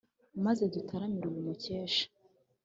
Maze dutaramire uyu mukesha!